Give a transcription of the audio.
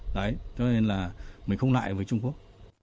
đấy cho nên là mình không lại với trung quốc